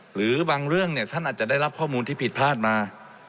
หรือบางเรื่องเนี่ยท่านอาจจะได้รับข้อมูลที่ผิดพลาดมา